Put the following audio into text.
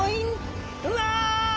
うわ！